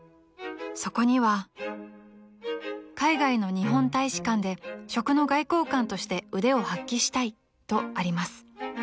［そこには「海外の日本大使館で食の外交官として腕を発揮したい」とあります］